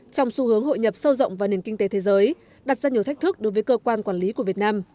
trong xu hướng hội nhập sâu rộng vào nền kinh tế thế giới đặt ra nhiều thách thức đối với cơ quan quản lý của việt nam